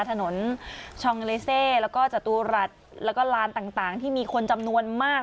ถนนชองเลเซแล้วก็จตุรัสแล้วก็ลานต่างที่มีคนจำนวนมาก